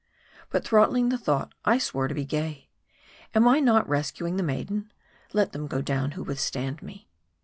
But throttling the thought, I swore to be gay. Am I not res cuing the maiden ? Let them go down who withstand me.